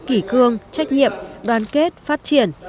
kỳ cương trách nhiệm đoàn kết phát triển